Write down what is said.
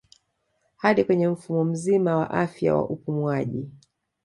Hadi kwenye mfumo mzima wa afya wa upumuaji